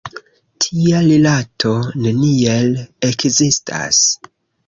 Tia rilato neniel ekzistas!